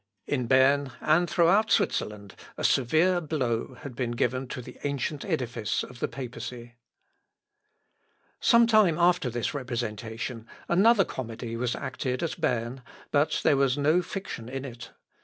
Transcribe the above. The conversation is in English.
In Berne, and throughout Switzerland a severe blow had been given to the ancient edifice of the papacy. [Sidenote: WALTER KLARER. JAMES BURKLI.] Sometime after this representation, another comedy was acted at Berne, but there was no fiction in it.